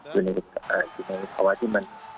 อยู่ในภาวะที่มัน